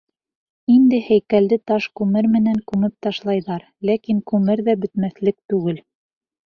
Инде һәйкәлде таш күмер менән күмеп ташлайҙар, ләкин күмер ҙә бөтмәҫлек түгел.